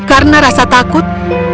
karena rasa takut